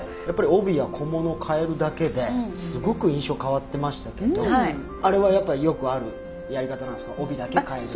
やっぱり帯や小物を変えるだけですごく印象変わってましたけどあれはやっぱよくあるやり方なんですか帯だけ変えるとか？